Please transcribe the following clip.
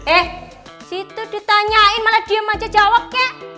eh situ ditanyain malah diem aja jawabnya